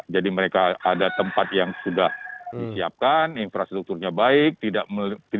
jadi mereka ada tempat yang sudah disiapkan infrastrukturnya baik tidak membuat terjadinya transmisi